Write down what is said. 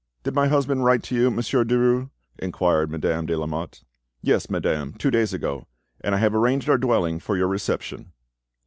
"Did my husband write to you, Monsieur Derues?" inquired Madame de Lamotte. "Yes, madame, two days ago; and I have arranged our dwelling for your reception."